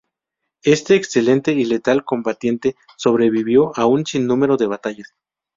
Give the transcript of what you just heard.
Este excelente y letal combatiente sobrevivió a un sin número de batallas.